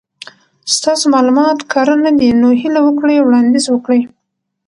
ستاسو مالومات کره ندي نو هیله وکړئ وړاندیز وکړئ